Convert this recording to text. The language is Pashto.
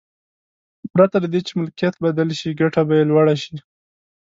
پرته له دې چې ملکیت بدل شي ګټه به یې لوړه شي.